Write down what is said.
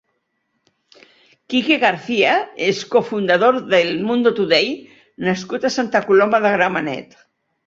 Kike García és un cofundador d'El Mundo Today nascut a Santa Coloma de Gramenet.